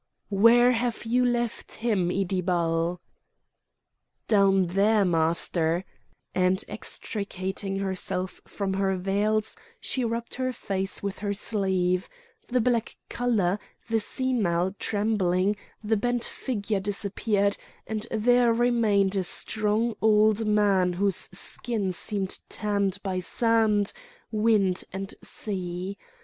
"Where have you left him, Iddibal?" "Down there, Master;" and extricating herself from her veils, she rubbed her face with her sleeve; the black colour, the senile trembling, the bent figure disappeared, and there remained a strong old man whose skin seemed tanned by sand, wind, and sea.